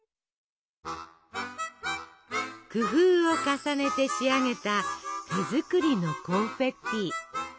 工夫を重ねて仕上げた手作りのコンフェッティ。